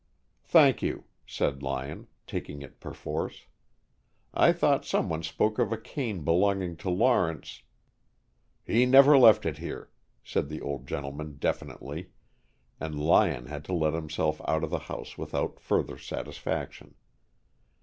"Thank you," said Lyon, taking it perforce. "I thought someone spoke of a cane belonging to Lawrence, " "He never left it here," said the old gentleman definitely, and Lyon had to let himself out of the house without further satisfaction.